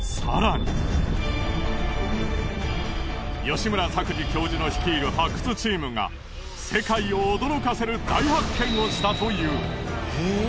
吉村作治教授の率いる発掘チームが世界を驚かせる大発見をしたという。